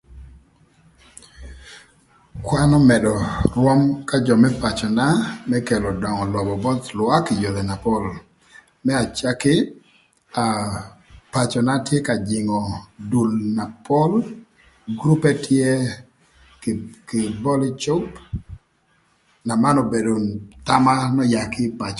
Kwan ömëdö rwöm ka jö më pacöna më kelo döngö lobo both lwak ï yodhi na pol. Më acaki, aa pacöna tye ka jïngö dul na pol, gurupe tye, kï bol ï cup na man obedo thama n'öya kï ï pacöna.